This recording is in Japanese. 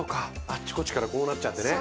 あっちこちからこうなっちゃってね。